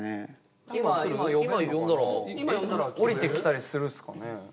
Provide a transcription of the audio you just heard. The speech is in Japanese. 今呼んだら降りてきたりするんすかね。